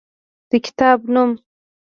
د کتاب نوم: